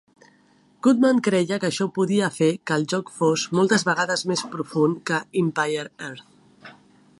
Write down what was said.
Goodman creia que això podia fer que el joc fos moltes vegades més profund que "Empire Earth".